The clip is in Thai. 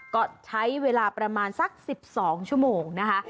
ก็ใช้เวลาประมาณสัก๑๒ชั่วโมงนะคะ